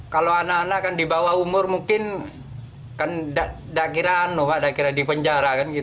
kalau anak anak kan di bawah umur mungkin kan tidak kira di penjara